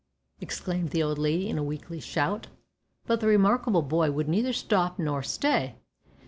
exclaimed the old lady in a weakly shout. But the "remarkable boy" would neither stop nor stay.